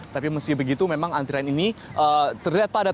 tapi meski begitu memang antrian ini terlihat padat